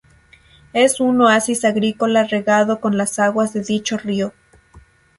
Es un oasis agrícola regado con las aguas de dicho río.